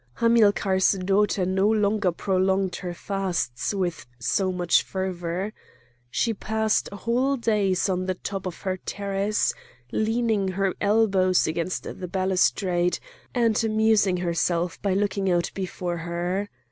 Hamilcar's daughter no longer prolonged her fasts with so much fervour. She passed whole days on the top of her terrace, leaning her elbows against the balustrade, and amusing herself by looking out before her.